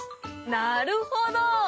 なるほど！